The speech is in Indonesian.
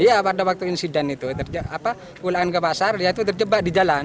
iya pada waktu insiden itu pulang ke pasar dia itu terjebak di jalan